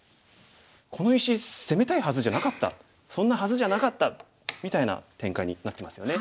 この石攻めたいはずじゃなかったそんなはずじゃなかった」みたいな展開になってますよね。